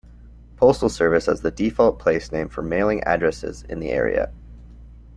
Postal Service as the "default" place name for mailing addresses in the area.